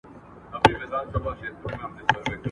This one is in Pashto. زه کولای سم شګه پاک کړم؟